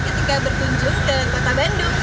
ketika berkunjung ke kota bandung